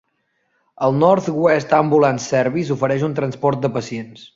El North West Ambulance Service ofereix un transport de pacients.